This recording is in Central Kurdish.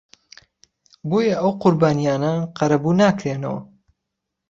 بۆیە ئەو قوربانییانە قەرەبوو ناکرێنەوە